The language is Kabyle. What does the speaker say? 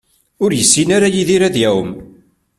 Ur yessin ara Yidir ad iɛumm.